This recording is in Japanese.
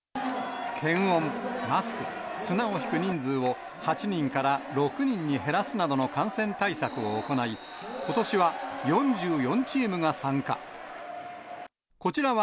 検温、マスク、綱を引く人数を８人から６人に減らすなどの感染対策を行い、ことしは４４チームが参加。